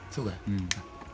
うん。